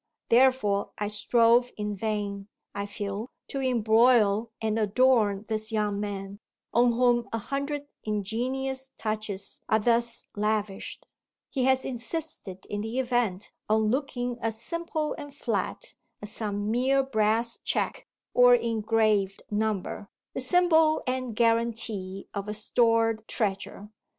Therefore I strove in vain, I feel, to embroil and adorn this young man on whom a hundred ingenious touches are thus lavished: he has insisted in the event on looking as simple and flat as some mere brass check or engraved number, the symbol and guarantee of a stored treasure.